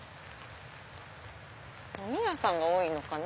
飲み屋さんが多いのかな。